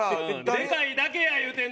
でかいだけや言うてんねん！